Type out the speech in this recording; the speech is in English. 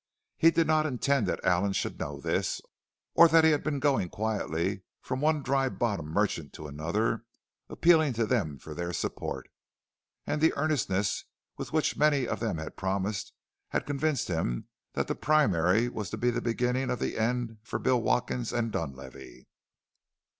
He did not intend that Allen should know this or that he had been going quietly from one Dry Bottom merchant to another, appealing to them for their support. And the earnestness with which many of them had promised had convinced him that the primary was to be the beginning of the end for Bill Watkins and Dunlavey.